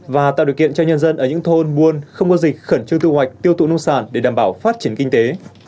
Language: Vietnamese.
và tạo điều kiện cho nhân dân ở những thôn buôn không có dịch khẩn trương thu hoạch tiêu thụ nông sản để đảm bảo phát triển kinh tế